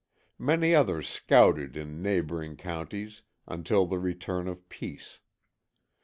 Many others "scouted" in neighboring counties until the return of peace.